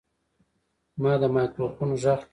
ما د مایکروفون غږ ټیون کړ.